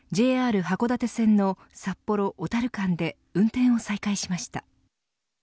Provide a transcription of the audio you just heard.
ＪＲ函館線の札幌、小樽間で運転を再開しました。